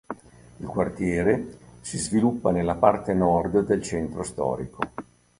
Il quartiere si sviluppa nella parte Nord del centro storico.